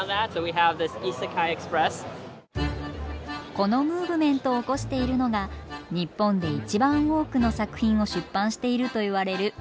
このムーブメントを起こしているのが日本で一番多くの作品を出版しているといわれるこちら。